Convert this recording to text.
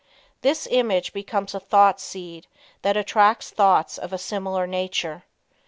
This image becomes a thought seed that attracts thoughts of a similar nature.